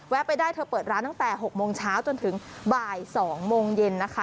ไปได้เธอเปิดร้านตั้งแต่๖โมงเช้าจนถึงบ่าย๒โมงเย็นนะคะ